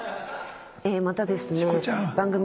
またですね。